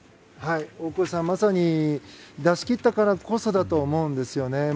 大越さん、まさに出し切ったからこそだと思うんですよね。